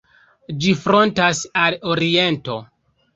Ĝi frontas al oriento.